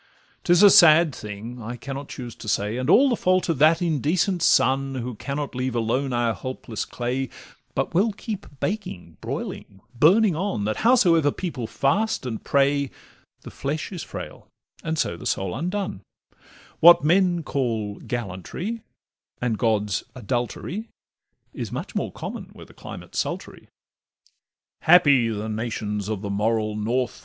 'Tis a sad thing, I cannot choose but say, And all the fault of that indecent sun, Who cannot leave alone our helpless clay, But will keep baking, broiling, burning on, That howsoever people fast and pray, The flesh is frail, and so the soul undone: What men call gallantry, and gods adultery, Is much more common where the climate 's sultry. Happy the nations of the moral North!